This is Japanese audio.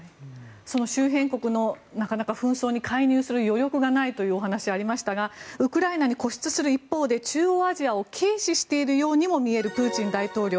その周辺国の紛争に介入する余力がないというお話がありましたがウクライナに固執する一方で中央アジアを軽視しているようにも見えるプーチン大統領。